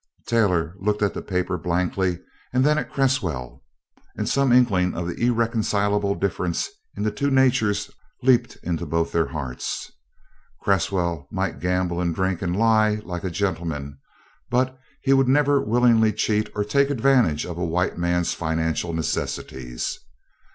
Taylor looked at the paper blankly and then at Cresswell and some inkling of the irreconcilable difference in the two natures leapt in both their hearts. Cresswell might gamble and drink and lie "like a gentleman," but he would never willingly cheat or take advantage of a white man's financial necessities.